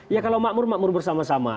ya kalau makmur makmur bersama sama